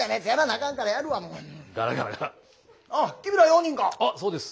あそうです。